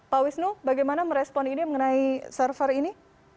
pak wisnu bagaimana merespon ini mengenai server ini